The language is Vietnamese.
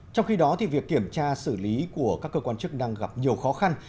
trong khi đó việc kiểm tra xử lý của các cơ quan chức năng gặp nhiều khó khăn